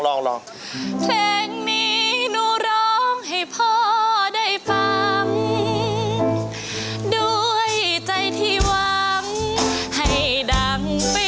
พอเธอมองหนูคิดถึงโบเฝ้ารอด้วยใจห่วงหา